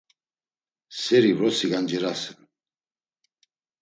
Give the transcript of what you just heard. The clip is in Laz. Seri vrosi gancirasen.